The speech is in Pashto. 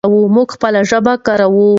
موږ خپله ژبه کاروو.